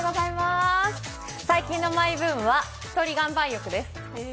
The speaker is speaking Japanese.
最近のマイブームはひとり岩盤浴です。